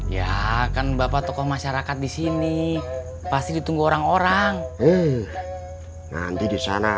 ya kan bapak tokoh masyarakat disini pasti ditunggu orang orang nanti disana